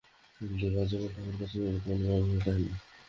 দেবা যেমন তোমার কাছে গুরুত্বপূর্ণ, মামিও তাই না।